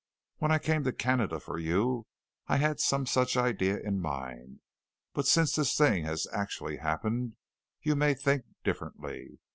When I came to Canada for you, I had some such idea in mind, but since this thing has actually happened, you may think differently.